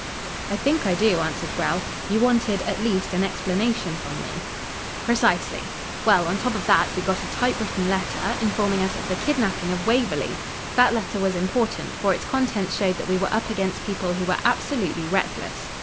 "I think I do," answered Grell. "You wanted, at least, an explanation from me." "Precisely. Well, on top of that, we got a typewritten letter, informing us of the kidnapping of Waverley. That letter was important, for its contents showed that we were up against people who were absolutely reckless.